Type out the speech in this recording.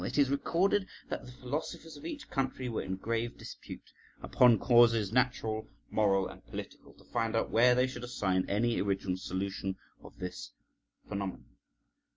It is recorded that the philosophers of each country were in grave dispute upon causes natural, moral, and political, to find out where they should assign an original solution of this phenomenon.